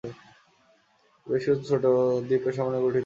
এটি বেশ কিছু ছোট ছোট দ্বীপের সমন্বয়ে গঠিত।